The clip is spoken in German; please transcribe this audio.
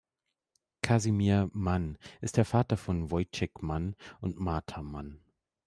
Kasimir Mann ist der Vater von Wojciech Mann und Marta Mann.